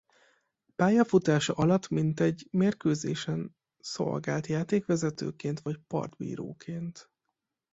Pályafutása alatt mintegy mérkőzésen szolgált játékvezetőként vagy partbíróként.